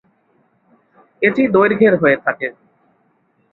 এটি দৈর্ঘ্যের হয়ে থাকে।